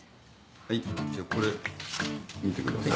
はいじゃこれ見てください。